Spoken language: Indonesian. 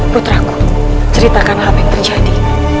putraku ceritakan apa yang terjadi